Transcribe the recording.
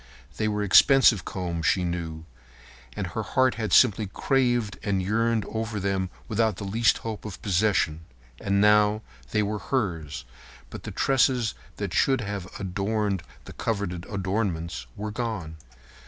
They were expensive combs, she knew, and her heart had simply craved and yearned over them without the least hope of possession. And now, they were hers, but the tresses that should have adorned the coveted adornments were gone.